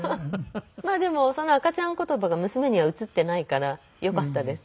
まあでもその赤ちゃん言葉が娘には移っていないからよかったです。